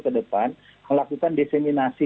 kedepan melakukan diseminasi